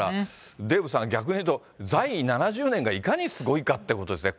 デーブさん、逆に言うと、在位７０年がいかにすごいかってことですね。